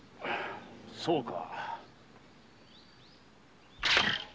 そうか。